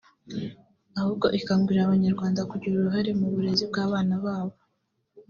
ahubwo ikangurira Abanyarwanda kugira uruhare mu burezi bw’abana babo